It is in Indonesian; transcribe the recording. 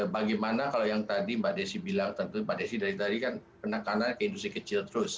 bagaimana kalau yang tadi mbak desi bilang tentu mbak desi dari tadi kan penekanannya ke industri kecil terus